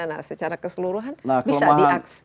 nah secara keseluruhan bisa diakses